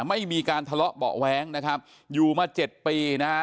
ไม่มีการทะเลาะเบาะแว้งนะครับอยู่มาเจ็ดปีนะฮะ